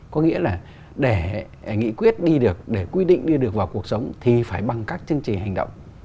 có nghĩa là để nghị quyết đi được để quy định đi được vào cuộc sống thì phải bằng các chương trình hành động